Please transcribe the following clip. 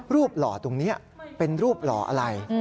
หล่อตรงนี้เป็นรูปหล่ออะไร